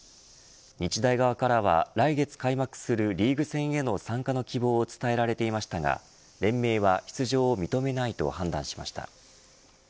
日大側からは来月開幕するリーグ戦への参加の希望を伝えられていましたが連盟は出場を認めないと判断しました。